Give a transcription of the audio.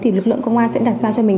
thì lực lượng công an sẽ đặt ra cho mình